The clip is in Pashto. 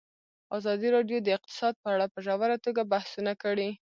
ازادي راډیو د اقتصاد په اړه په ژوره توګه بحثونه کړي.